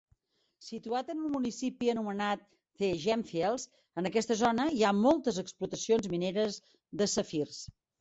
Situat en un municipi anomenat The Gemfields, en aquesta zona hi ha moltes explotacions mineres de safirs.